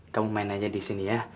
kamu main aja di sini ya